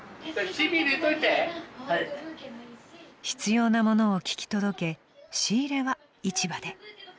［必要なものを聞き届け仕入れは市場で］